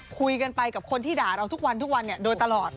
คุยกันไปกับคนที่ด่าเราทุกวันทุกวันโดยตลอด